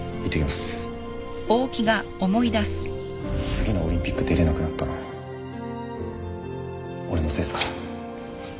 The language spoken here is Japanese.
次のオリンピック出れなくなったの俺のせいっすから